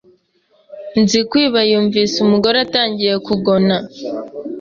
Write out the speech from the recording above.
Nzikwiba yumvise umugore atangiye kugona,